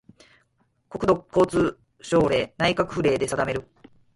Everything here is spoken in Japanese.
国土交通省令・内閣府令で定める